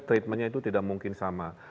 treatmentnya itu tidak mungkin sama